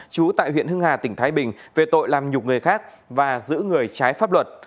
chú tại huyện hưng hà tỉnh thái bình về tội làm nhục người khác và giữ người trái pháp luật